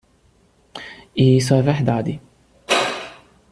E isso é verdade.